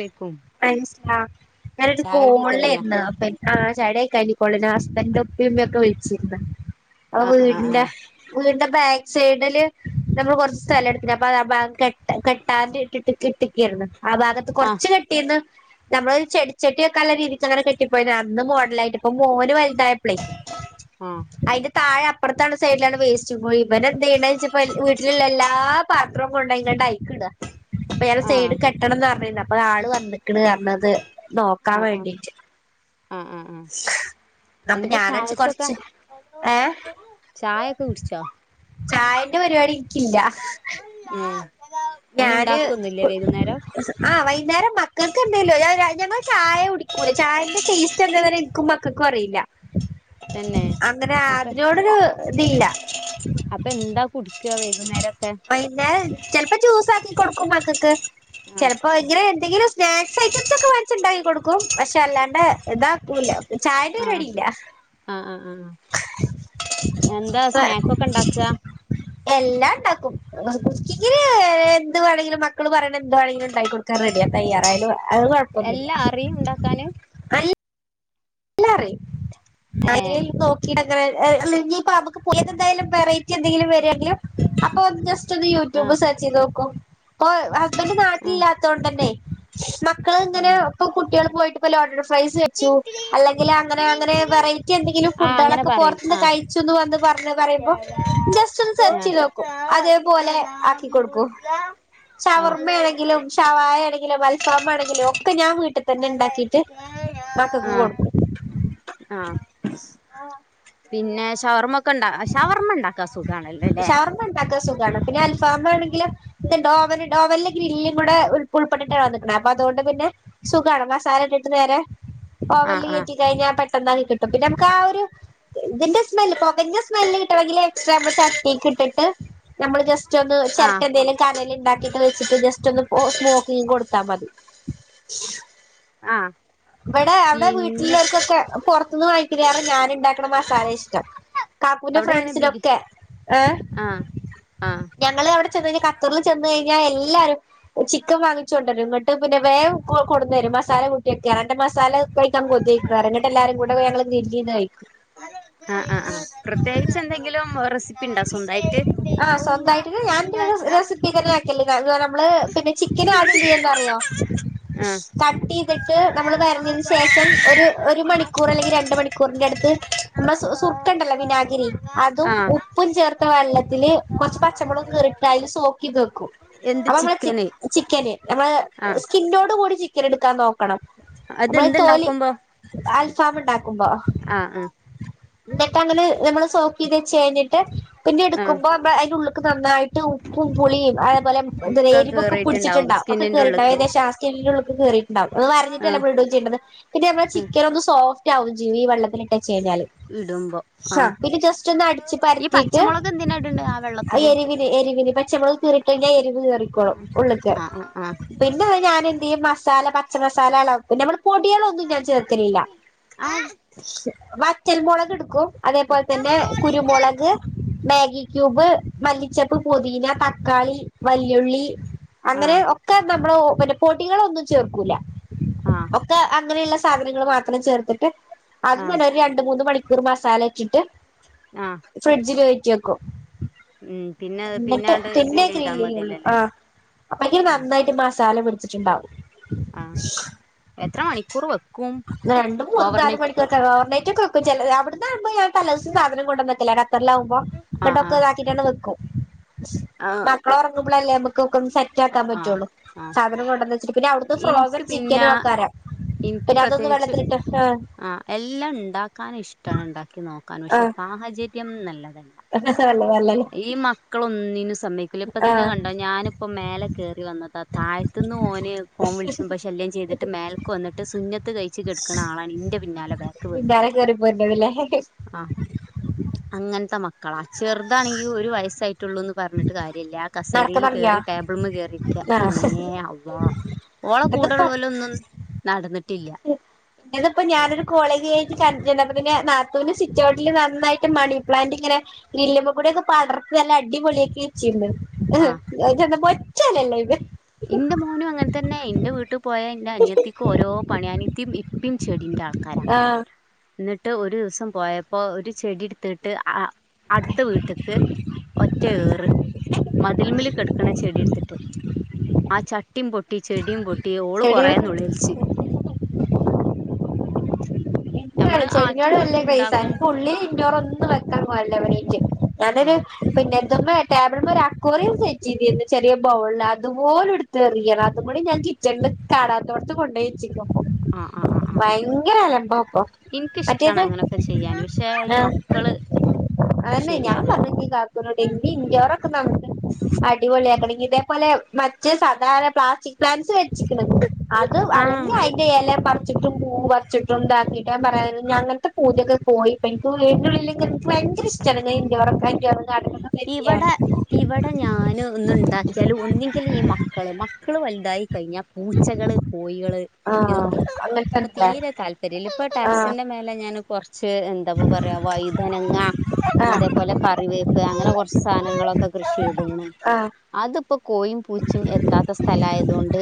ലേക്കും മൻസില ഞാനൊരു ചായുടിയൊക്കെ കഴിഞ്ഞാ കോളിലാര്ന്ന് അപ്പ ആ [unintelligible] ഹസ്‌ബൻഡിന്റെ ഉപ്പ, ഉമ്മയൊക്കെ വിളിച്ചിരുന്ന് അപ്പൊ ആഹ് ആഹ് വീടിന്റെ വീടിന്റെ ബാക്ക് സൈഡില് നമ്മള് കൊർച്ച് സ്ഥലം എട്ത്തിനി അപ്പ ആ ഭാഗം കെട്ട കെട്ടാണ്ട് [unintelligible] ആ ഭാഗത്ത് ആഹ് കൊർച്ച്ങ്ങ ട്ടിര്ന്ന് നമ്മള് ഒരു ചെടിച്ചെട്ടി വെക്കാള്ളെ ഒരു രീതിക്ക് അങ്ങനെ കെട്ടിപ്പോയി അന്ന് മോഡല് ആയിട്ട് ഇപ്പോ മോന് വൽതായ ആഹ് [unintelligible] അയിന്റെ താഴെ അപ്പർത്താണ് സൈഡിലാണ് വേസ്റ്റ് കുഴി ഇവൻ എന്ത് ചെയ്യ്ണേ ച്ചപ്പം എൽ വീട്ടിലുള്ള എല്ലാ പാത്രവും കൊണ്ടോയിങ്ങാണ്ട് അയിക്ക് ഇട. അപ്പ ഏത് ആഹ് സൈഡ് ക [unintelligible] അപ്പ ആള് വന്ന്ക്ക്ണ് പർഞ്ഞത് നോക്കാൻ ആഹ് ആഹ് ആഹ് വേണ്ടീട്ട് ആഹ് ആഹ് ആഹ് അപ്പൊ എന്താ ഞാനടിച്ച് ചായക്കൊക്കെ? കൊറച്ച് ഏഹ് ചായക്കെ കുടിച്ചോ? ചായന്റെ പരിപാടി ഇനിക്കില്ല. [unintelligible] ഒന്നും ഉണ്ടാക്കുന്നില്ലേ വൈകുന്നേരം? ആ വൈന്നേരം മക്കൾക്ക് എന്തേലോ [unintelligible] ഞങ്ങള് ചായ കുടിക്കൂല ചായന്റെ ടേസ്റ്റ് എന്തന്നറി ഇൻക്കും മക്കക്കും അറിയില്ല തന്നെ അങ്ങനെ അപ്പ അതിനോടൊരു ഇതില്ല. അപ്പൊ എന്താ കുടിക്ക വൈകുന്നേരൊക്കെ [unintelligible] ചെൽപ്പേ ജ്യൂസ് ആക്കി കൊട്ക്കും മക്കക്ക്. ആഹ് ചെൽപ്പോ ഇങ്ങനെ എന്തെങ്കിലുസ് സ്നാക്സ് ഐറ്റംസ് ഒക്കെ മേടിച്ച് ഇണ്ടാക്കി കൊടുക്കും പക്ഷെ അല്ലാണ്ടേ ഇതാക്കൂല. ചായൻ്റെ ആഹ് പരിപാടിയില്ല ആഹ് ആഹ് ആഹ് [unintelligible] എത്തണ്ടാക്കാ? എല്ലാം ഇണ്ടാക്കും കുക്കിങ്ങിന് ഏ എന്ത് വേണങ്കിലും മക്കള് പറയ്ണ എന്ത് വേണങ്കിലും ഇണ്ടാക്കി കൊടു കറി റെഡിയാ തയ്യാറായാലും അത് കൊഴപ്പൊന്നുല്ല. ഇണ്ടാക്കാന് എല്ലാം അറിയും ഞാൻ ഏഹ് ഇങ്ങനെ നോ [unintelligible] അല്ല ഇനിയിപ്പോ നമുക്ക് പുതിയ എന്തായാലും വെറൈറ്റി എന്തെങ്കിലും വരുവങ്കിലും അപ്പൊ ജസ്റ്റ് ഒന്ന് യൂട്യൂബ് ആഹ് സെർച്ചിതോക്കു ഇപ്പൊ ഹസ്ബൻഡ് ആഹ് നാട്ടിലില്ലാ ത്തോണ്ടന്നെ മക്കള് ഇങ്ങനെ ആഹ് ഇപ്പ കു ട്ടേൾ പോയിട്ട് ഇപ്പ ലോഡഡ് ഫ്രൈസ് വെച്ചു അല്ലെങ്കിൽ അങ്ങനെ അങ്ങനെ വെറൈറ്റി എന്തെങ്കിലും ആഹ് അങ്ങനെ ഫുഡൊളക്കെ പറയും പൊറത്ത്ന്ന് ആഹ് കഴിച്ചുന്ന് വന്ന് പറഞ്ഞ് പറയുമ്പോ ജസ്റ്റ് ഒന്ന് സെർച്ചിതോ - അതേപോലെ ആക്കികൊടുക്കും ആഹ് ആഹ് ഷവർമ്മയാണെങ്കിലും ഷവായ ആണെങ്കിലും അൽഫാം ആണെങ്കിലും ഒക്കെ ഞാൻ വീട്ടിതന്നെ ഇണ്ടാക്കി ആഹ് ആഹ് [inaudible] പിന്നെ ഷവർമ ഒക്കെ ഇണ്ട ഷവർമ ഇണ്ടാക്കാം സു ഷവർമ ഇണ്ടാക്കാ സുഖാണ് പിന്നെ അൽഫാമാണെങ്കിലും ഡോവൽ ഡോവലില് ഗ്രില്ലും കൂടെ ഉൾ ഉൾപ്പെട്ടിട്ടാവന്ന്ക്ക്ണ അപ്പ അതൊണ്ട് പിന്നെ സുഖാണ് മസാല ഇട്ടിട്ട് നേരെ ആഹ് ഓവൻല് ആഹ് കേറ്റി കിഴിഞാ പെട്ടന്ന് ആയി കിട്ടും പിന്നെ നമുക്ക് ആ ഒര് ഇതിന്റെ സ്മെല് പൊക്കഞ സ്മെല് കിട്ടണെങ്കിൽ എക്സ്ട്രാ ഞമ്മൾ തീക്ക് ഇട്ടിട്ട് നമ്മൾ ജസ്റ്റ് ഒന്ന് ചെര്ട്ട ആഹ് എന്തേലും കനല് ഇണ്ടാക്കിട്ട് വെച്ചിട്ട് ജസ്റ്റ് ഒന്ന് സ്മോക്കിങ് കൊടുത്താ മതി ആഹ് ഇവടെ അവ്ടെ പിന്നെ വീട്ടില്ഇള്ളോര്കൊക്കേ പൊറത്ത്ന്ന് വാങ്ങിക്ക് ണേറെ ഞാൻ ഇണ്ടാക്ക്ണ മസാലേ ഇഷ്ടം കാക്കുന്റെ അവിടെ എങ്ങനെ ബിരി ഫ്രണ്ട്സിനൊക്കെ ഏഹ് ആഹ് ആഹ് ഞങ്ങള് അവടെ ചെന്ന് കഴിഞ്ഞാ ഖത്തറിൽ ചെന്ന് കഴിഞ്ഞാ എല്ലാരും ചിക്കൻ വാങ്ങിച്ചു കൊണ്ടരും ഇങ്ങട്ട് പിന്നെ വേം കൊ കൊടുന്നേരും മസാല കൂട്ടിയക്കെ അന്റെ മസാല കഴി ക്കാ കൊതി അയ്ക്ക്ണ് പറിം ന്ന്ട്ട് എല്ലാരും കൂടെ ഞങ്ങൾ ഗ്രില്ലിത് കഴിക്കും ആഹ് ആഹ് ആഹ് പ്രത്യേകിച്ച് എന്തെങ്കിലും റെസിപ്പി ഇണ്ടോ സ്വന്തായി റ്റ് സ്വന്തായിട്ട് [unintelligible] റെസിപ്പി തന്നെ [unintelligible] നമ്മള് പിന്നെ ചിക്കന് ആദ്യം എന്തിയ്യാന്ന് അറിയോ ആഹ് കട്ടീത് നമ്മള് വരഞ്ഞതിന് ശേഷം ഒരു ഒരു മണിക്കൂർ അല്ലെങ്കി രണ്ട് മണിക്കൂറിന്റെ അട്ത്ത് നമ്മളെ സു സുർക്കണ്ടല്ലോ വിനാഗിരി അതും ആഹ് ഉപ്പും ചേർത്ത വെള്ളത്തില് കൊറച്ച് പച്ചമുളക് കീറി അതിൽ സോക്കീതക്കും എന്ത് ച്ചി ചിക്കന് നമ്മള് സ്കിന്നോട് കൂടി ചിക്കൻ എടുക്കാന്നോ ണം നമ്മൾ തോലി അതെന്തുണ്ടാക്കുമ്പോ അൽഫാം ഇണ്ടാക്കുമ്പോ ആഹ് ആഹ് ന്ന്ട്ട് [unintelligible] നമ്മള് സോക്കി തച്ച് കഴിഞ്ഞിട്ട് പിന്നെ ആഹ് ഇടുക്കുമ്പോ അതിന്റെ ഉുള്ള്ക്ക് നന്നായിട്ട് ഉപ്പും പുളിം പോലേ ത് ഒക്കെ എരിവൊക്കെ കേറിയിട്ടുണ്ടാവും പിടിച്ചിട്ടുണ്ടാ ഒക്കെ സ്കിന്നിന്റെ കേറിട്ട്ണ്ടാവും ഉള്ളിക്ക് ഏകദേ എല്ലിന്റെ ഉള്ളിക്ക് കേറീട്ട്ണ്ടാവും ഒന്ന് വരഞ്ട്ടല്ലേ ആഹ് നമ്മൾ ഇടും ണ്ടത് പിന്നെ ഞമ്മളെ ആഹ് ചിക്കൻ ഒന്ന് സോഫ്റ്റ് ആകും ജിയ്യും ഈ വെള്ളത്തിൽ ഇട്ടച്ച് കഴിഞ്ഞാല് ആഹ് പിന്നെ ജസ്റ്റ് ഒന്ന് അടിച്ച് ഈ പരത്തീട്ട് പച്ചമുളക് എന്തിനാ ഇടണ്ടേ ആ വെള്ളത്തില് എരിവിന് എരിവിന് പ ച്ച മൊളക്ക് കീറിട്ട് ക്കഴിഞ്ഞാ എരിവ് ക്കേറിക്കോളും ഉള്ള്ക്ക് ആ ആ പിന്നെ ഞാൻ എന്തിയ്യും മസാല പച്ച മസാല നമ്മള് പൊടേളൊന്നും ഞാൻ ചേർക്കലില്ല ആ വറ്റൽ മൊളക് ഇട്ക്കും അതേപോല്തന്നെ കുരുമൊളക് മേഗി ക്യൂബ് മല്ലി ചെപ്പ് പൊതീന തക്കാളി വല്ലുള്ളി ആ അങ്ങനെ ഒക്ക നമ്മള് പിന്നെ പൊടികളൊന്നും ചേർക്കൂല ആഹ് ക്ക അങ്ങനെയുള്ള സാധനങ്ങൾ മാത്രം ചേർത്തിട്ട് അത് ആ നിലവിൽ രണ്ട് മൂന്ന് മണിക്കൂർ മസാല ഇച്ചിട്ട് ആഹ് ഫ്രിഡ്ജിൽ കേറ്റി വെക്കു ഉം പിന്നെ എന്നിട്ട് പിന്നാണ്ട് പിന്നെ ഗ്രില്ല് ക്രി‌ ചെയ്താ ഒള്ളൂ മതിയല്ലോല്ലേ ആഹ് അപ്പയ്ക്ക്‌ ആ നന്നായിട്ട് മസാല പിടിച്ചട്ടുണ്ടാവും ആഹ് എത്ര മണിക്കൂറ് വെ രണ്ടും മൂന്നും നാലും മണിക്കുർ ക്കെ ഓവർ നൈറ്റ്‌ ഒക്കെ വെക്കും ചെലത് അവിടന്നമ്പോ ഞാ തല ദിസ സാധനം കൊണ്ടുവന്നക്കില്ല ഖത്തറിലാവുമ്പോ ആ ആ കൊണ്ടക്ക ട്ടാണ്ട് വെക്കും ആ മക്കൾ ഒറങ്ങുമ്പൾ അല്ലെ നമ്മുക്ക് ഒക്കെ ഒന്ന് സെറ്റ് റ്റക്കാ ആ പറ്റുള്ളൂ ആ സാധനം കൊണ്ടന്ന് വച്ചട്ട് പിന്നെ അവിടുത്തെ ഫ്രോസൺ ഇൻക്ക് പിന്നെ ചിക്കനും ആക്കാരാ പിന്നെ അതൊന്ന് വെള്ളത്തിലിട്ട് ആഹ് എല്ലാം ഉണ്ടാക്കാൻ ഇഷ്ട ഉണ്ടാക്കി നോക്കാൻ ആ പക്ഷെ സാഹച ര്യം നല്ലതല്ല വെള്ള വെള്ളല് ഈ മക്കളോ ഒന്നിനും സമ്മക്കില്ല ഇപ്പ ആ തന്നെ കണ്ടോ ഞന് മേല കേറി വന്നതാ താഴത്തുന്ന് ഓനെ ഫോം വിളിച്ച പക്ഷെ ശല്യാം ചെയ്തിട്ട് മേലക്ക് വന്നിട്ട് സുന ത്ത് കഴിച്ച് കെടക്കന്ന ആളാണ് നിന്റെ പിന്നാലെ ബാക്ക് വ മേലെ കെറി പോര്ന്നതില്ലേ ആഹ് അങ്ങനത്തെ മക്കളാ ചെറുതാണെങ്കി ഒരു വയസായിട്ടുള്ളൂന്ന് പറഞ്ഞിട്ട് കാരില്ല ആ നടക്കാൻ കസേരായിൽ തുടങ്ങിയോ കേറി ഇവിട്ന്ന് കേറിക്ക ആ പിന്നെ അവ്വാ ഓള ഇതൊക്കെപ്പ കൂടൊള്ളോ ലോന്നും നടന്നിട്ടില്ല എന്നിപ്പ ഞാനൊരു കോളേജ് കഴിഞ്ഞിട്ട് ചന്തിരുന്നു അപ്പൊ പിന്നെ നാത്തൂനും സിറ്റ് ഔട്ടിൽ നന്നായിട്ട് മണി പ്ലാന്റ് ഇങ്ങനെ ഗ്രീല്ല്മെ കൂടി ഒക്കെ പടർത്തി നല്ല അടിപൊളിയാക്കി വച്ചിണ്ട് ഉം ആഹ് ഞാൻ ചെന്നപ്പോ ഒറ്റ എല ഇല്ല ഇത് എന്റെ മോനും അങ്ങനെ തന്നെ എന്റെ വീട്ട് പോയാ എന്റെ അനിയത്തിക്കും ഓരോ പണിയാ അനിയത്തിം ഈ പ്പേം ചെടിന്റെ ആൾക്കാരാ ആ എന്നിട്ട് ഒരു ദിവസം പോയപ്പോ ഒരു ചെടി എടുത്തിട്ട് അ അടുത്ത വീട്ട്ക്ക് ഒറ്റ ഏറ് മതിൽമില് കെടുക്കണ ചെടി എടുത്തിട്ട് ആ ചട്ടിയും പൊട്ടി ചെടിയും പൊട്ടി ഓള് ചെടി കുറെ നുളിലിച്ച് ഇന്നെ നമ്മള് ആറ്റ് ചെടിഞ്ഞോട് വല്ല്യ ക്രെസ്സ അന് നോറ്റ്ണ്ടാക്കും പുള്ളി ഇഞ്ഞോറൊന്നും വെക്കാൻ പോല്ല വററ്റി ഞാനൊരു ആഹ് പിന്നെ ഇന്തുമേ ടേബിളുമെ ഒരു അക്കോറിയം സെറ്റ് ചെയ്തിന്ന് ചെറിയ ബൗള അതുപോലെ എടുത്ത് എറിയണ അതും കൂടി ഞാൻ കിച്ചണില് കറത്തോട്ത്ത് കൊണ്ടയ് വെച്ച് ഇയോ ആഹ് ആഹ് ആഹ് ആഹ് ഭയങ്കര അലഭ ഇപ്പൊ എനിക്കിഷ്ടാണ് മറ്റേത് അങ്ങനൊക്കെ ചെയ്യാന് പക്ഷെ ഈ ആഹ് മക്കള് അതന്നെ ഞാൻ ശരിയാവൂല പറഞ്ഞിനി ഇഡി ഇടൊറൊക്കെ നല്ലെ അടിപൊളി ആക്കണെങ്കി ഇതേപോലെ മറ്റെ സാധാരണ പ്ലാസ്റ്റിക് പ്ലാൻസ് വെച്ചിക്ക്‌ണ് അത് ആഹ് അതന്നെ അയിന്റെ എല പറിച്ചിട്ടും പൂ പറിച്ചിട്ടും ഇതാക്കി ഞാൻ പറാനി അങ്ങനത്തെ പൂധ്യൊക്കെ പോയിട്ട് എനിക്കു ആയിറ്റുള്ളില് ഇങ്ങനെ ഭയങ്കര ഇഷ്ടണ് ഇൻട്രോരൊക്ക വേഴിക്കാനും ഗാർഡൻ ഒക്കെ ഇവിടെ ഇവിടെ ഞാന് ഒന്ന് ഉണ്ടാക്കിയാല് ഒന്നെങ്കില് ഈ മ മക്കള് മക്കള് വലുതായി കഴിഞ്ഞാ പൂച്ചകള്, കോഴികള്, ആഹ് ഇതൊക്കെ അതോ അപ്പൊ തീരെ താല്പര്യഇല്ല ഇപ്പൊ ടെറസിന്റെ മേലെ ഞാന് കുറച്ച് എന്താപ്പ പറയാ വൈതനങ്ങ ആഹ് അതേപോലെ കറിവേക്കാന് അങ്ങനെ കൊറച്ച് സാനങ്ങളൊക്കെ കൃഷി ചെയ്തണ് ആഹ് അതിപ്പോ കോഴും പൂച്ചും എത്താത്ത സ്ഥലയതുകൊണ്ട്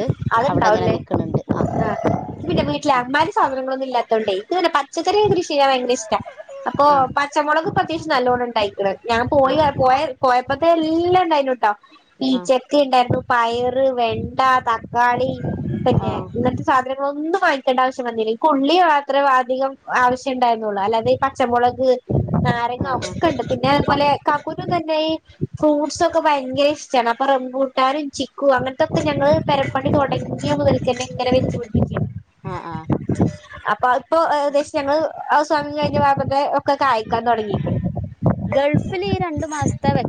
അവിടെ ഇങ്ങനെ അത്ണ്ടാവല്ലേ നിക്കണണ്ട് ആ ആഹ ഇജ്ജ് പിന്നെ വീട്ടില് അമാതിരി സാധനങ്ങളൊന്നും ഇാല്ലതോണ്ടെയ് ഇൻക്ക് പിന്നെ പച്ചറി കൃഷി ചെയ്യാൻ ഭയങ്കര ഇഷ് ട്ടാ അപ്പൊ ആ പച്ചമുളക് ഇപ്പൊ അത്യാവശ്യം നല്ലോണ്ണം ഉണ്ടായിക്കണ് ഞാൻ ആ പോയി പോയ പോയപ്പോത്തെ എല്ലാം ഇണ്ടായി വിട്ടോ ആ ആ പീച്ച ഉണ്ടായിരുന്നു പയറ് വെണ്ട തക്കാളി പിന്നെ എന്നിട്ട് സാധനങ്ങള ഒന്നും വാങ്ങിക്കേണ്ട ആവശ്യം വന്നില്ല ഇനിക് ഉള്ളി മാത്രമേ അധികം ആവശ്യം ഉണ്ടായിരരുന്നുള്ളു അല്ലാത ഈ പച്ചമുളക് നാരങ്ങ ആ ആ ഒക്കണ്ട് പിന്നെ അതുപോലെ കാക്കുന്നും ഇതന്നെ ഫ്രൂട്ട്സ് ഒക്കെ ഭയങ്കര ഇഷ്ടമാണ് അപ്പൊ റംബൂട്ടാനും ചി ക്കു അങ്ങനത്തൊക്കെ ഞങ്ങൾ പേര പണി തോടങ്ങിയ മുതൽക്കന്നെ ഇങ്ങനെ വെച്ച് പിടിപ്പിക്കും ആ ആ അപ്പൊ ആഹ് അപ്പൊ ഏകദേശം ഞങ്ങള് ഹൌസ് വാമിങ് [unintelligible] ഒക്കെ കായിക്കാൻ തുടങ്ങിയി ഗൾഫിൽ ഈ രണ്ടു മാസത്തെ വെ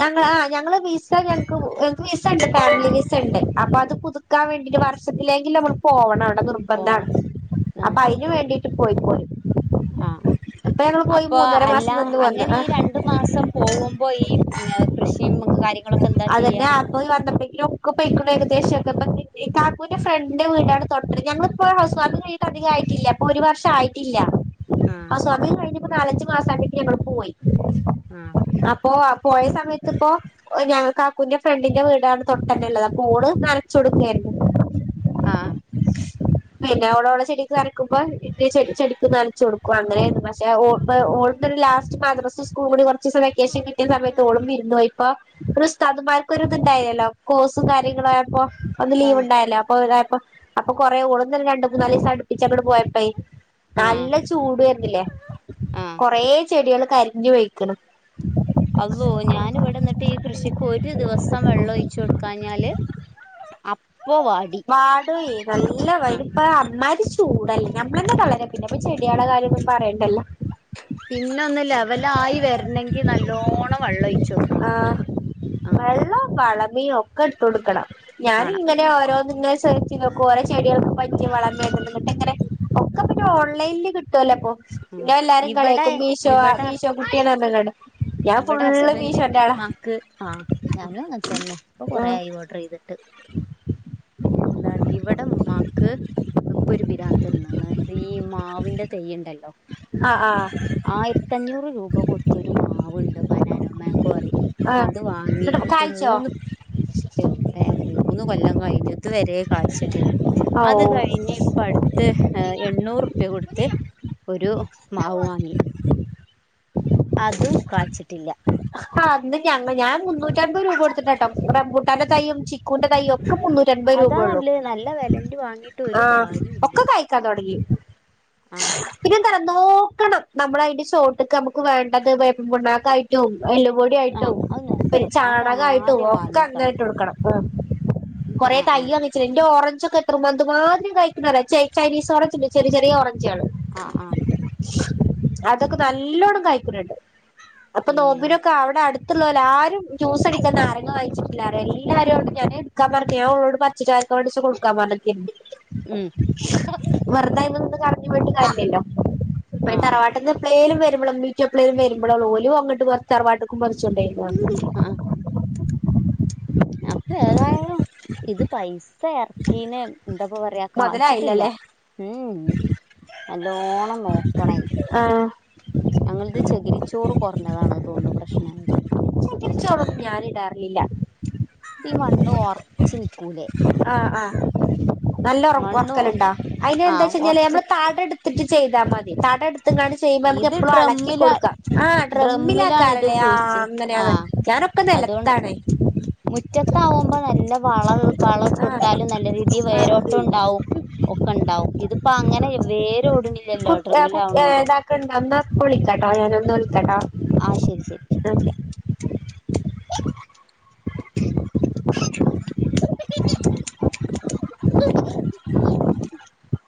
ഞങ്ങള് ആ ഞങ്ങള് വിസ [unintelligible] ഞങൾക്ക് വിസണ്ട് ഫാമിലി വി ണ്ട് അപ്പൊ അത് പുതുക്കാൻ വേണ്ടിയിട്ട വർഷത്തിലെങ്കിൽ നമ്മൾ പോകണം അവിടെ നി നിർബന്താണ് പോണം അപ്പൊ അയിന് വേണ്ടിട്ട് പോയി പോയി ആഹ ഇപ്പൊ ഞങ്ങള് അപ്പൊ മൂന്നര അല്ല മാസം നിന്ന് വന്ന് അങ്ങനെ ആ ഈ രണ്ടു മാസം പോകുമ്പോ ഈ ഏഹ് കൃഷിയും കാര്യങ്ങളൊ അതന്നെ ആപ്പോ വന്നപ്പെയ്ക്കും ഒക്ക പെയിക്ക ഏകദേശം [unintelligible] ക്കാക്കൂന്റെ ഫ്രണ്ട് വീട തൊട്ട ഞങ്ങളിപ്പോ ഹൗസ് വാമിങ് കയ്ഞ്ഞിട്ട് അതികം ആയിട്ടില്ല ഇപ്പൊ ഒരു വർഷം ആയിട്ടില്ല ആഹ് ഹൗസ് വാമിങ് കഴിഞ് പ്പോ നാലഞ്ചു മാസായപ്പോഴേയ്ക്കും ഞങ്ങള് പോയി ആഹ് അപ്പൊ പോയ സമയത്ത് ഇപ്പോ ഞങ കാക്കുന്റെ ഫ്രണ്ടിന്റെ വീടാണ് തൊട്ടന്നള്ളത് അപ്പ ഓള് നനച്ചൊടുക്കരുന്നു ആഹ് പിന്നെ ഓള് ഓളെ ചെടിക്ക് നനക്കുമ്പോ ഇന്റെ ചെ ചെടിക്ക് നനചോടുക്കും അങ്ങനെ പക്ഷേ ഓ ഓൾ ഓള ഒരു ലാസ്റ്റ് മാദ്രസ് സ്കൂൾ കൂടി കൊറച്ച് ദിവം വെക്കേഷൻ കിട്ടിയ സമയത്ത് ഓളും വിരുന്നോയി ഇപ്പോ ഒരു ഉസ്താദ് മാർക് ഇത്ണ്ടായല്ലോ കോഴ്സും കാര്യങ്ങളും അപ്പൊ അന്ന് ലീവ് ഉണ്ടായല്ലേ അപ്പൊ ഇതായപ്പ അപ്പൊ കൊറെ ഓളന്നല്ല രണ്ടണ്ട്മുന്നാല് സം അടുപ്പിച്ച ങ്ങട് പോയപ്പ ആഹ് നല്ല ചൂടെരുന്നില്ലേ ആഹ് കൊറെ ചെടിൾ കരിഞ്ഞോയ്ക്കണ് അള്ളോ ഞാനിവിടെ ന്നിട്ട് ഈ കൃഷിക്ക് ഒരു ദിവസം വെള്ളം ഒഴിച്ചു കൊടുക്കാഞ്ഞാല് അപ്പൊ വാടി വാടോയി നല്ല ആഹ് പ്പ അമ്മാരി ചൂടല്ലേ ഞമ്മളെന്നെ തളരാ പിന്നെ പ്പോ ചെ ചെടിയെളെ കാര്യോന്നും പറയണ്ടല്ലോ പിന്നെ ഒന്ന് ലെവലായി വരണെങ്കി നല്ലോണ്ണം വെള്ളോയ് ആഹ് വെള്ളവും വളമിയോ ഒക്കെ ഇട്ട് കൊടുക്കണം ഞാൻ വേണം ഇങ്ങനെ ഓരോ ങ്ങെ സെർച്ച് നോക്ക കുറെ ചെടികൾക്ക പറ്റി വളർന്നിട്ട് ഇങ്ങനെ ഒക്ക പിന്നെ ഓൺലൈനിൽ കിട്ടുവല്ലോ അപ്പൊ ഉം ന്നെ എല്ലാരും ഇവിടെ കളിയാക്കും മീശോ ഇവിടെ മീശോ കുട്ടിയാണ് ന്ന് റഞ്ഞിങ്ങാണ്ട് ഇവിടെ ഹസ്ബൻഡിന്റെ ഉമ്മാക്ക് ആഹ് ഞാനും അങ്ങൻ തന്നെ ഇപ്പൊ കൊറ ഉം ആയി ഓർഡർ യ്ത് ട്ട് എന്താണ് ഇവിടെ ഉമാക്ക് ഇപ്പൊ ഒരു പിരാന്ത്‌ വന്നീണ് ഈ മാവിന്റെ തെയ്യുണ്ടല്ലോ ആഹ് ആഹ് ആയിരത്തിഞ്ഞൂറ് രൂപ കൊടുത്ത ഒരു മാ ണ്ട് ബനാനോ മാങ്കോറിം ആഹ് അത് വാങ്ങിയ എന്നിട്ട് ആയിപ്പോ കായ്ച്ചോ മൂന്ന് എവിടെ മൂന്ന് കൊല്ലം കഴിഞ്ഞ് ഇത് വരെ കാഴ്ച്ചിട്ടില്ല ഓ അത് കഴിഞ്ഞ് ഇപ്പ അടു ത് ഏഹ് എണ്ണൂറ്പ്യ കൊടുത്ത് ഒരു മാവ് വാങ്ങി അതും കായ്ച്ചിട്ടില്ല ആഹ് ന്ന് ഞ ഞാൻ മുന്നൂറ്റി അമ്പത് രൂപ കൊടുത്തിട്ട കേട്ടോ റംബുട്ടാന്റെ തൈയും ച്ചി ന്റെ തൈ ഒക്കെ മുന്നൂറ്റ അപത് അതാ രൂപയള്ളൂ നല്ലത് നല്ല വെലന്റെ വാങ്ങിയിട്ട് ഒരു ആഹ് കാര്യവും ഇല്ല ഒക്കെ കയ് ക്കാ തോടങ്ങി ആഹ് പിന്നെ ന്തറിയോ നോക്കണം നമ്മൾ അയ്ന്റെ ചോട്ട്ക്ക് നമുക്ക് വേണ്ടത് വേപ്പിൻ പിണ്ണാക്കായിട്ടും എല്ലുപോ യി ആഹ് ട്ടും അത് പി നോക്കണം അത് ചാണകായിട്ടും ആദ്യം ഒക്കെ അങ്ങട്ട് വാങ്ങിയേക്കണം ഇട്ട് കൊടുക്കണം ആഹ് കൊറെ ആഹ് ആഹ് തയ്യ് ന്റെ ഓറഞ്ച് ഒക്കെ എത്ര മാ ന്ത് മാ തിരി കായ്ക്കുന്ന ചൈ ചൈനീസ് ഓറഞ്ച് ഉണ്ട് ചെറി ചെറിയഓറഞ്ച്ള് ആഹ് ആഹ് അതൊക്കെ നല്ലോണ്ണം കായ്ക്ക്ണ് ണ്ട് അപ്പൊ നോ ഉം അവിടെ അടുത്തുള്ളോല് ആരും ജ്യൂസടിക്ക നാരങ്ങ വായിച്ചിട്ടില്ലാറിയ എല്ലാരെടും ഞാന് ക്കാൻ പറക്ക ഞാ ഉള്ളോട് പച്ച ച്ചാർകൊണ്ട് കൊടുക്കാൻ പറ്ണകെനി ഉം വെറുതെയ്മന്ന് കളഞ്ഞ് പോയിട്ട് കാര്യല്ലല്ലോ ആഹ് തറവാട്ട്ന്ന് പ്ലേ വരുമ്പോ ഇമ്മീ ഇപ്പി എപ്പളെലും വരുമ്പളെ ഒള്ളു ഓലും അങ്ങട്ട് പ തറവാട്ട്ക്കും പറിച്ചൊണ്ടായിതാ ആഹ് അപ്പൊ ഏതായാലും ഇത് പൈസ ഇറക്കീന് എന്താപ്പ പറയാ കായ്ച്ചിട്ടില്ല മൊതലായില്ലല്ലേ ഉം ഉം നല്ലോണം നോക്കണേ ആഹ് ഞങ്ങള്ത് ചെകിരിച്ചോറ് കൊറഞ്ഞതാണ് തോന്നുന്നു പ്രശ്നയത് ചകിരി ചോറൊന്നും ഞാൻ ഇടാറിറില്ല ഈ മണ്ണ് ഒറ്ച്ച് നിക്കൂലേ ആഹ് ആഹ് നല്ല ഒറ-ഒറ മണ്ണ് ക്കല്ണ്ടാ അയ്ന് ആഹ് എന്തായ്ച്ച്ഴിഞ്ഞാല് ഒറച്ച് നമ്മള് താടട് ട്ട് ചെയ്താ മതി തടട് ത്ത്‌ ങ്ങാണ്ട് ചെയ്യുമ്പോ നമുക്ക് ഇത് ഇപ്പളും അളക്കി ഡ്രമ്മിലാ കൊടുക്കാം ആഹ് ഡ്രമ്മിലാണ് ഡ്രമ്മിലെയ്ക്കാരം ഇത് ല്ലേ കുഴിച്ച് ആഹ് ങ്ങനെ ആണ് ആഹ് ഞാനൊക്കെ അതുകൊണ്ട് നെലത്താണ് മുറ്റത്താവുമ്പോ നല്ല വള ആഹ് വളട്ടൊടുത്താലും നല്ല രീതീ ആഹ് വേരോട്ടം ണ്ടാവും ഒക്കെ ണ്ടാവും ഇത് പ്പൊ അങ്ങനെ വേരോട്ണ്‌ല്ലല്ലോ ട്രമ്മില് ആവ്ണോണ്ട്. ക്ക്‌ ണ്ടൊ ന്നാ പ്പ വിളിക്കാട്ടൊ ഞാന് ഒന്ന് വിളിക്കാട്ടൊ ആ ശരി ശരി ആഹ് [inaudible]